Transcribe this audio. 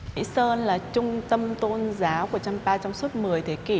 mỹ sơn là trung tâm tôn giáo của trăm ba trong suốt một mươi thế kỷ